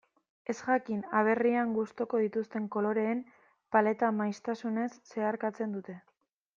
Ezjakin aberrian gustuko dituzten koloreen paleta maisutasunez zeharkatzen dute.